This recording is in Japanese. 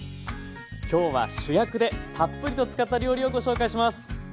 今日は主役でたっぷりと使った料理をご紹介します。